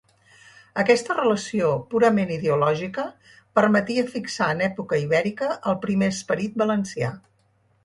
Aquesta relació, purament ideològica, permetia fixar en època ibèrica el primer esperit valencià.